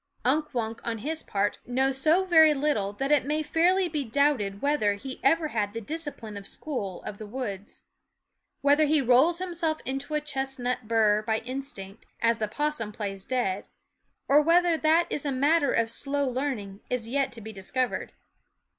Unk Wunk, on his part, knows so very little that it may fairly be doubted whether he ever had the discipline of the school of the woods. Whether he rolls himself into a chestnut bur by instinct, as the possum plays dead, or whether that is a matter of slow learning is yet to be discovered.